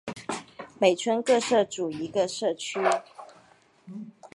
每村各设组一个社区。